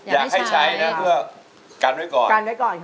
อยากให้ใช้นะเพื่อกันไว้ก่อน